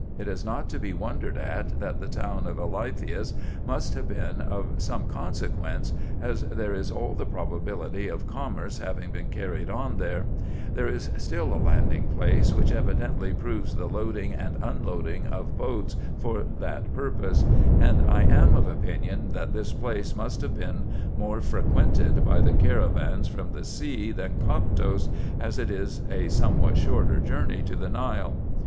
It is not to be wondered at that the town of Eleithias must have been of some consequence, as there is all the probability of commerce having been carried on there : there is still a landing place, which evidently proves the loading and unloading of boats for that purpose ; and I am of opinion that this place must have been more frequented by the caravans from the sea than Coptos, as it is a somewhat shorter journey to the Nile.